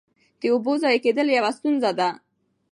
د اوبو ضایع کېدل یوه ستونزه ده.